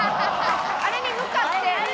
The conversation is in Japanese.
あれに向かって振り？